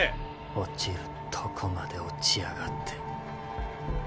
落ちるとこまで落ちやがって。